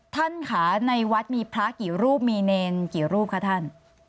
ท่านค่ะในวัดมีพระกี่รูปมีเนรกี่รูปคะท่าน